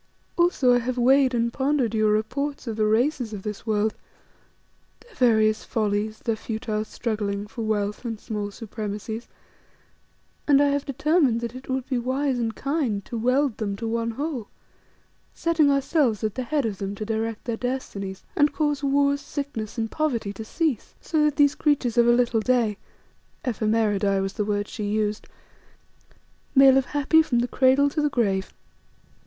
Also I have weighed and pondered your reports of the races of this world; their various follies, their futile struggling for wealth and small supremacies, and I have determined that it would be wise and kind to weld them to one whole, setting ourselves at the head of them to direct their destinies, and cause wars, sickness, and poverty to cease, so that these creatures of a little day (ephemeridae was the word she used) may live happy from the cradle to the grave.